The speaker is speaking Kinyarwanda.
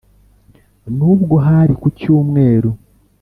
n’ubwo hari ku cyumweru